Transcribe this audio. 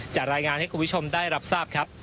จะรายงานให้คุณผู้ชมได้รับทราบครับ